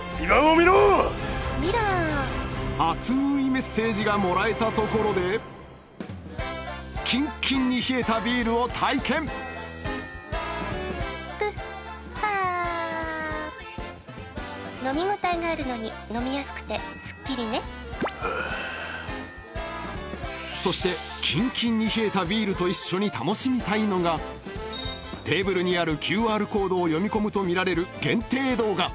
「見ろ」熱いメッセージがもらえたところでキンキンに冷えたビールを体験「プッハ」ああそしてキンキンに冷えたビールと一緒に楽しみたいのがテーブルにあるＱＲコードを読み込むと見られる限定動画